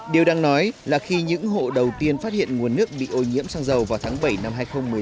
điều đang nói là khi những hộ đầu tiên phát hiện nguồn nước bị ô nhiễm sang giàu vào tháng bảy năm hai nghìn một mươi sáu